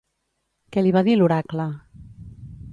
Què li va dir l'oracle?